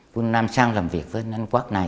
quân nam sang làm việc với anh quác này